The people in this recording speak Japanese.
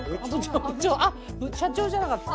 社長じゃなかった。